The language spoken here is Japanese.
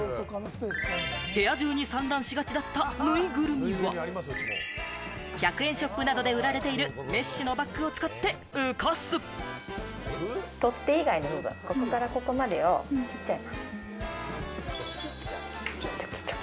部屋中に散乱しがちだったぬいぐるみは、１００円ショップなどで売られている、メッシュのバッグを使って取っ手以外のここからここまでを切っちゃいます。